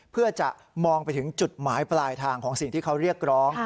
เพื่อจะมองไปถึงจุดหมายปลายทางของสิ่งที่เขาเรียกร้อง